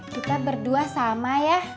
kita berdua sama ya